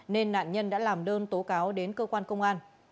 nên nạn nhân đã làm đơn tố cáo đến cơ quan công an